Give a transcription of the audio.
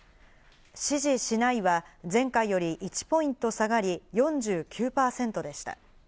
支持しないは前回より２ポイント下がり４９％でした。